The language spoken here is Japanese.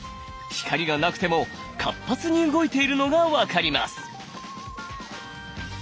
光がなくても活発に動いているのが分かります。